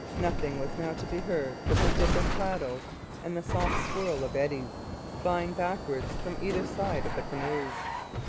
Nothing was now to be heard but the dip of paddles and the soft swirl of eddies flying backward from either side of the canoes.